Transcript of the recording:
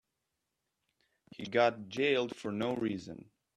He got jailed for no reason.